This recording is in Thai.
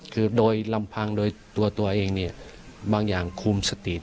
คือด้วยลำพังตัวรันเองบางอย่างควมสติตรงนี้ไม่อยู่